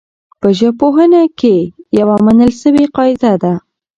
په ژبپوهنه کي يوه منل سوې قاعده ده.